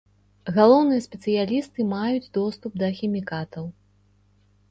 Галоўныя спецыялісты маюць доступ да хімікатаў.